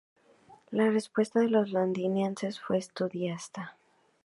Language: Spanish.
La respuesta de los londinenses fue entusiasta.